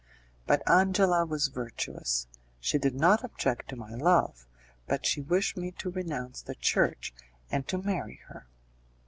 But Angela was virtuous. She did not object to my love, but she wished me to renounce the Church and to marry her.